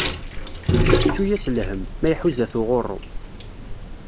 Settu-as lhem, ma iḥuza-t uɣuṛṛu.